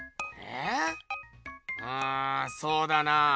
うんそうだなぁ。